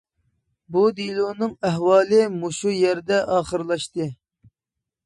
بۇ دېلونىڭ ئەھۋالى مۇشۇ يەردە ئاخىرلاشتى.